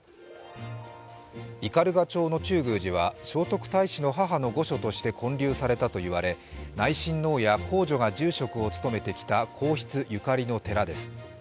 斑鳩町の中宮寺は聖徳太子の母の御所として建立されたといわれ、内親王や皇女が住職を務めてきた皇室ゆかりの寺です。